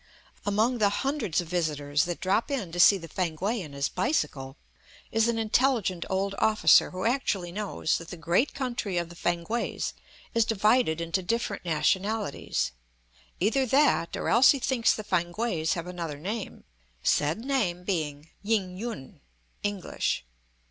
Among the hundreds of visitors that drop in to see the Fankwae and his bicycle is an intelligent old officer who actually knows that the great country of the Fankwaes is divided into different nationalities; either that, or else he thinks the Fankwaes have another name, said name being "Ying yun" (English).